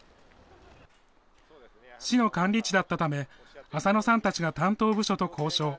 市の管理地だったため、浅野さんたちが担当部署と交渉。